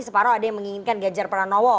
separuh ada yang menginginkan ganjar pranowo